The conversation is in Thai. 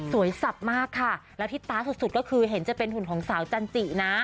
สับมากค่ะแล้วที่ตาสุดก็คือเห็นจะเป็นหุ่นของสาวจันจินะ